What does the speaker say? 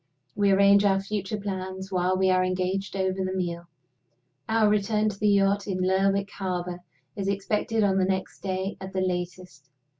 We arrange our future plans while we are engaged over the meal. Our return to the yacht in Lerwick harbor is expected on the next day at the latest.